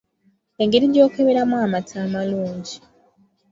Engeri gy’okeberamu amata amalungi.